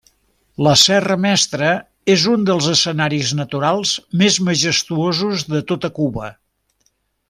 La Serra Mestra és un dels escenaris naturals més majestuosos de tota Cuba.